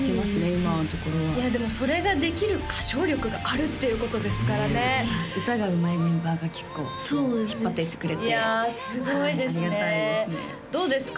今のところはでもそれができる歌唱力があるっていうことですからね歌がうまいメンバーが結構引っ張っていってくれていやすごいですねありがたいですねどうですか？